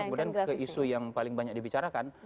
kemudian ke isu yang paling banyak dibicarakan